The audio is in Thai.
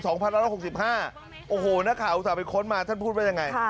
โอ้โหนักข่าวอุตส่าห์ไปค้นมาท่านพูดว่ายังไง